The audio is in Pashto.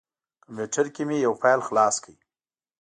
کمپیوټر کې مې یو فایل خلاص کړ.